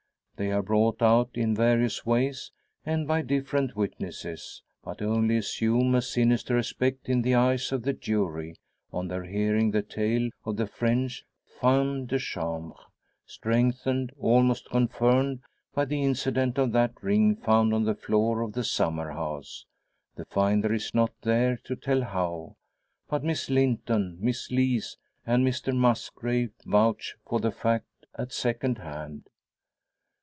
They are brought out in various ways, and by different witnesses; but only assume a sinister aspect in the eyes of the jury, on their hearing the tale of the French femme de chambre strengthened, almost confirmed, by the incident of that ring found on the floor of the summer house. The finder is not there to tell how; but Miss Linton, Miss Lees, and Mr Musgrave, vouch for the fact at second hand.